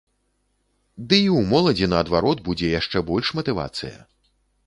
Ды і ў моладзі, наадварот, будзе яшчэ больш матывацыя.